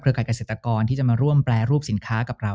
การเกษตรกรที่จะมาร่วมแปรรูปสินค้ากับเรา